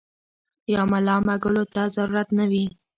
يا ملا مږلو ته ضرورت نۀ وي -